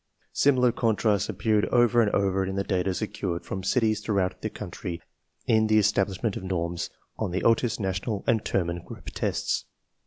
Similar contrasts appear over and over in the data secured from cities throughout the country in the establishment of norms on the Otis, National, and Terman Group tests.